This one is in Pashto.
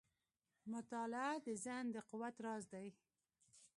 • مطالعه د ذهن د قوت راز دی.